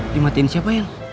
dimatiin siapa yang